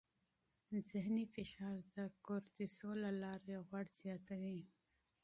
ذهني فشار د کورتیسول له لارې غوړ زیاتوي.